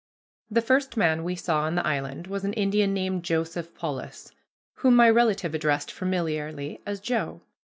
The first man we saw on the island was an Indian named Joseph Polis, whom my relative addressed familiarly as "Joe."